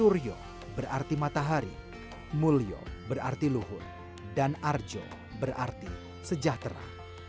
suryo berarti matahari mulyo berarti luhur dan arjo berarti sejahtera